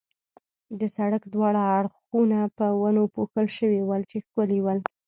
د سړک دواړه اړخونه په ونو پوښل شوي ول، چې ښکلي ول.